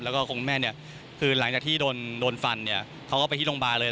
แล้วก็คุณแม่เนี่ยคือหลังจากที่โดนฟันเนี่ยเขาก็ไปที่โรงพยาบาลเลย